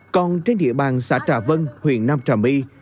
còn trên địa bàn xã trà vân huyện nam trà my